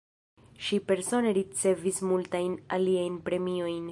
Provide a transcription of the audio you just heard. Ŝi persone ricevis multajn aliajn premiojn.